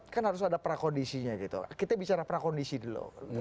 kan harus ada prakondisinya gitu kita bicara prakondisi dulu